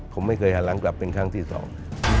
ผมไม่เคยหันหลังกลับเป็นครั้งที่สอง